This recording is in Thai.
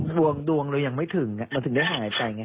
ดวงดวงเลยยังไม่ถึงอ่ะมันถึงได้หายใจไง